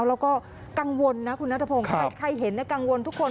แล้วก็กังวลนะคุณนัทพงศ์ใครเห็นกังวลทุกคน